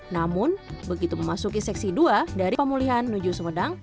namun begitu memasuki seksi dua dari pemulihan menuju sumedang